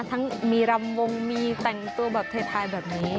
ทั้งมีรำวงมีแต่งตัวแบบไทยแบบนี้